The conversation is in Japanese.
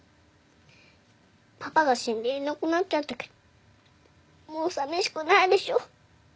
パパが死んでいなくなっちゃったけどもうさみしくないでしょ？